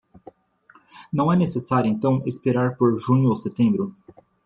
Não é necessário, então, esperar por junho ou setembro.